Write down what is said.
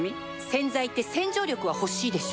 洗剤って洗浄力は欲しいでしょ